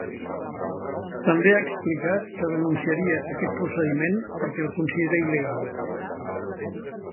També ha explicat que denunciaria aquest procediment perquè el considera il·legal.